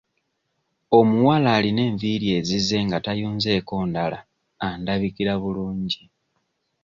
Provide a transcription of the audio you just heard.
Omuwala ayina enviiri ezize nga tayunzeeko ndala andabikira bulungi.